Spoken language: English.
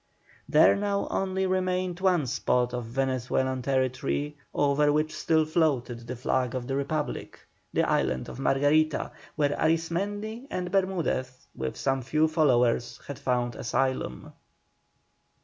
There now only remained one spot of Venezuelan territory over which still floated the flag of the Republic, the island of Margarita, where Arismendi and Bermudez with some few followers had found asylum.